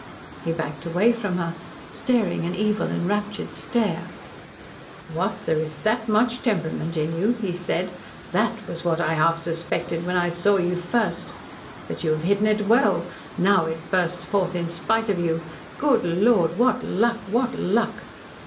He backed away from her, staring an evil, enraptured stare. "What! There is that much temperament in you?" he said. "That was what I half suspected when I saw you first. But you have hidden it well. Now it bursts forth in spite of you. Good Lord! What luck what luck!"